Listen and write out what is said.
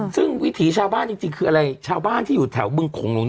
ซึ่งวิถีชาวบ้านจริงคืออะไรชาวบ้านที่อยู่แถวบึงโขงหลง